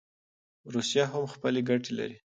روسیه هم خپلي ګټي لري.